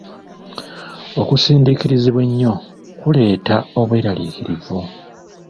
Okusindiikirizibwa ennyo kuleeta obweraliikirivu.